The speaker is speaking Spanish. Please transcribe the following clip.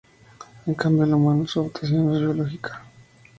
En cambio el humano su adaptación no es biológica.